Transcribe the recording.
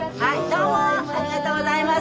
ありがとうございます。